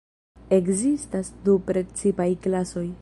Ekzistas du precipaj klasoj.